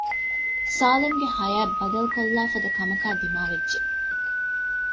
ސާލިމްގެ ހަޔާތް ބަދަލުކޮށްލާފަދަ ކަމަކާ ދިމާވެއްޖެ